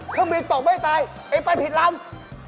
เครื่องบินตกไม่ตายไอ้ไปผิดลำ